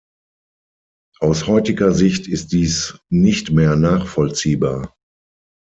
Aus heutiger Sicht ist dies nicht mehr nachvollziehbar.